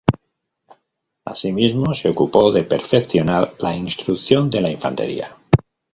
Asimismo se ocupó de perfeccionar la instrucción de la infantería.